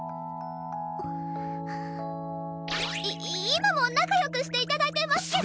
い今も仲良くして頂いてますけど！